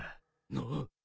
なっ。